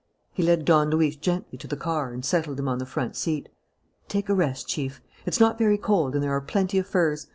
He led Don Luis gently to the car and settled him on the front seat. "Take a rest, Chief. It's not very cold and there are plenty of furs.